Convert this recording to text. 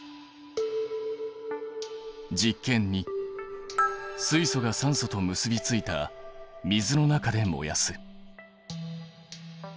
実験２水素が酸素と結びついた水の中で燃やす。